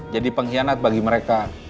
jadi pengkhianat bagi mereka